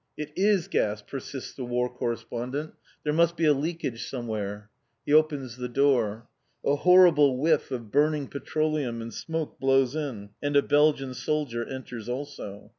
"It is gas!" persists the War Correspondent. "There must be a leakage somewhere." He opens the door. A horrible whiff of burning petroleum and smoke blows in, and a Belgian soldier enters also.